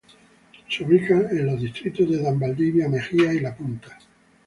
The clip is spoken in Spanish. Se ubican en los distrito de Dean Valdivia, Mejia y La Punta.